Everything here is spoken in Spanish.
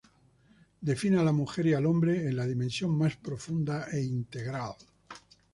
Define a la mujer y al hombre en la dimensión más profunda e integral.